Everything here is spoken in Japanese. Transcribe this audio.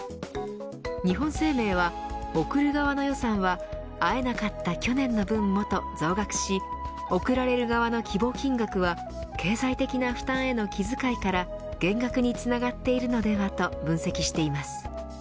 日本生命は、贈る側の予算は会えなかった去年の分もと増額し贈られる側の希望金額は経済的な負担への気遣いから減額につながっているのではと分析しています。